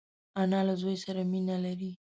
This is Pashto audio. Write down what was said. انا له زوی سره مینه لري